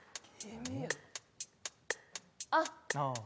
あっ。